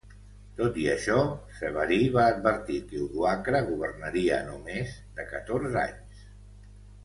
Tot i això, Severí va advertir que Odoacre governaria no més de catorze anys.